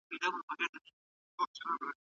چین د زبرځواک په مقام کي ودرید.